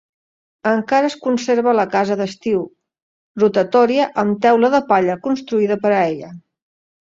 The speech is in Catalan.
Encara es conserva la casa d'estiu rotatòria amb teula de palla construïda per a ella.